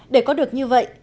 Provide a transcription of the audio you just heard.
để có được như vậy